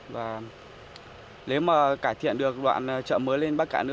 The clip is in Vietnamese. và nếu mà cải thiện được đoạn chợ mới lên